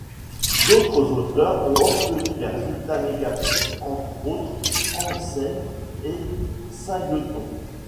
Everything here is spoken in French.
D'autres auteurs ont obtenu des résultats négatifs, entre autres Hansen et Singleton.